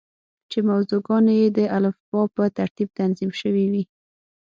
چې موضوع ګانې یې د الفبا په ترتیب تنظیم شوې وې.